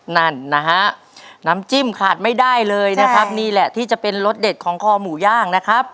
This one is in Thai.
นั่นนะฮะน้ำจิ้มขาดไม่ได้เลยนะครับนี่แหละที่จะเป็นรสเด็ดของคอหมูย่างนะครับ